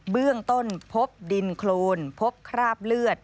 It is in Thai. เบื้องต้นพบดินโครนพบคราบเลือด